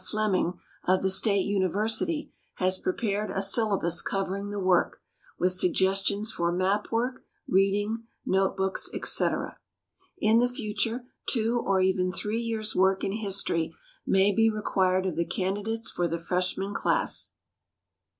Fleming, of the State University, has prepared a syllabus covering the work, with suggestions for map work, reading, note books, etc. In the future two or even three years' work in history may be required of the candidates for the freshman class.